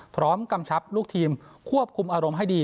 กำชับลูกทีมควบคุมอารมณ์ให้ดี